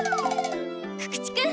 久々知君。